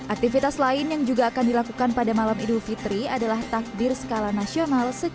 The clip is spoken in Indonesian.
aktivitas lain yang juga akan dilakukan pada malam idul fitri adalah takbir skala nasional